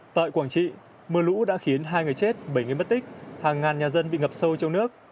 tại quảng trị mưa lũ đã khiến hai người chết bảy người mất tích hàng ngàn nhà dân bị ngập sâu trong nước